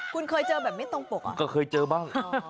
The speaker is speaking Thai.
คุณเคยเจอมีตรงโปรกเหรอคือเค้าเจอบ้าง